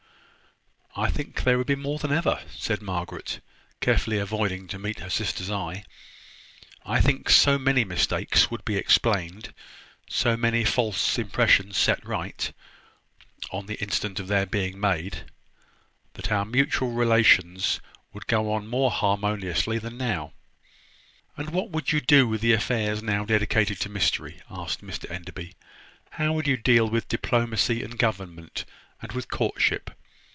"I think there would be more than ever," said Margaret, carefully avoiding to meet her sister's eye. "I think so many mistakes would be explained, so many false impressions set right, on the instant of their being made, that our mutual relations would go on more harmoniously than now." "And what would you do with the affairs now dedicated to mystery?" asked Mr Enderby. "How would you deal with diplomacy, and government, and with courtship?